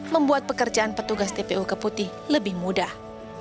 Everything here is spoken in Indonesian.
membuat pekerjaan petugas tpu keputih lebih mudah